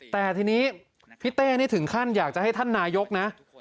แต่ทีนี้พี่เต้นี่ถึงขั้นอยากจะให้ท่านนายกนะ